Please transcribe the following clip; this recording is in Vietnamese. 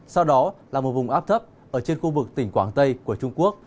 sau đó là một vùng áp thấp ở trên khu vực tỉnh quảng tây của trung quốc